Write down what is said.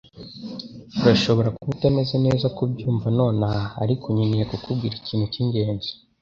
Urashobora kuba utameze neza kubyumva nonaha ariko nkeneye kukubwira ikintu cyingenzi